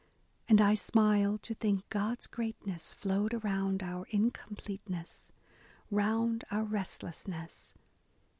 And I smiled to think God's greatness flowed around our incompleteness, — Round our restlessness.